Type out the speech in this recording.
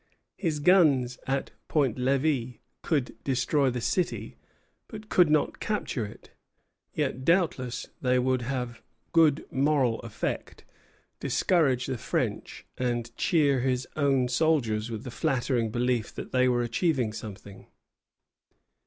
His guns at Point Levi could destroy the city, but could not capture it; yet doubtless they would have good moral effect, discourage the French, and cheer his own soldiers with the flattering belief that they were achieving something.